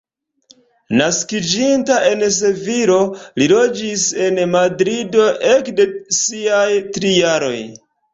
Naskiĝinta en Sevilo, li loĝis en Madrido ekde siaj tri jaroj.